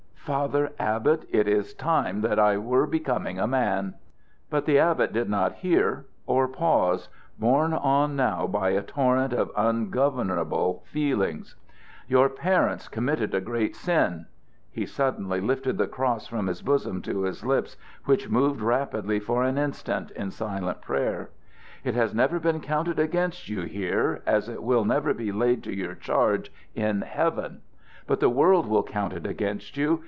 "Father Abbot, it is time that I were becoming a man." But the abbot did not hear or pause, borne on now by a torrent of ungovernable feelings: "Your parents committed a great sin." He suddenly lifted the cross from his bosom to his lips, which moved rapidly for an instant in silent prayer. "It has never been counted against you here, as it will never be laid to your charge in heaven. But the world will count it against you.